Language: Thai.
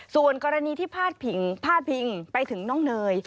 ส่วนกรณีที่พลาดผิงไปถึงน้องเนย